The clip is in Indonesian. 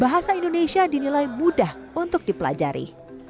bahasa indonesia dinilai mudah untuk dipelajari